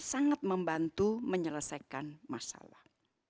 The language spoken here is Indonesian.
sangat membantu menyelesaikan masalah